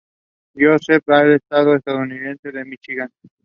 This character represents evil.